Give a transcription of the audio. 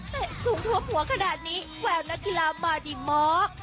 สูงทั่วหัวขนาดนี้แววนักกีฬามาดีมาก